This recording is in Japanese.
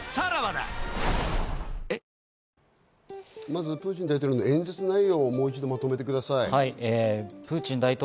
まずプーチン大統領の演説の内容をもう一度まとめてください。